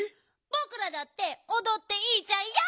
ぼくらだっておどっていいじゃんＹＯ！